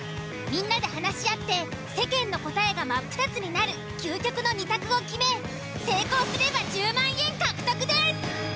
みんなで話し合って世間の答えがマップタツになる究極の２択を決め成功すれば１０万円獲得です！